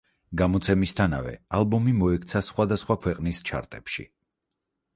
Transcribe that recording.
გამოცემისთანავე ალბომი მოექცა სხვადასხვა ქვეყნის ჩარტებში.